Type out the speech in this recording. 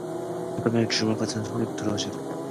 두 뺨에 주먹덩이 같은 혹이 불거지도록